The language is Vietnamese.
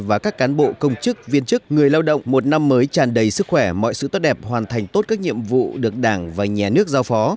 và các cán bộ công chức viên chức người lao động một năm mới tràn đầy sức khỏe mọi sự tốt đẹp hoàn thành tốt các nhiệm vụ được đảng và nhà nước giao phó